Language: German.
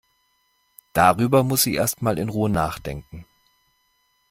Darüber muss sie erst mal in Ruhe nachdenken.